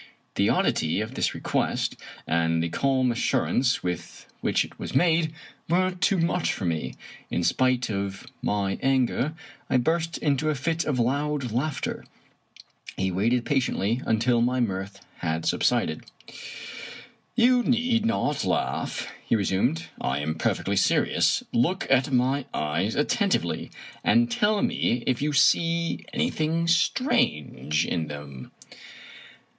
The oddity of this request, and the calm assurance with which it was made, were too much for me. In spite of my anger, I burst into a fit of loud laughter. He waited pa tiently until my mirth had subsided. "You need not laugh," he resumed; "I am perfectly serious. Look at my eyes attentively, and tell me if you see anything strange in them."